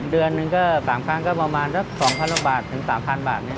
เดือนหนึ่งก็๓๐๐๐ก็ประมาณ๒๐๐๐บาทถึง๓๐๐๐บาท